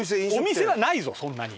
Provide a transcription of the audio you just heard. お店はないぞそんなに。